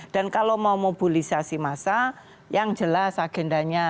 dan kalau mau mobilisasi massa yang jelas agendanya